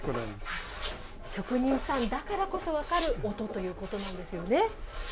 職人さんだからこそ分かる音ということなんですよね。